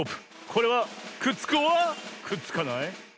これはくっつくｏｒくっつかない？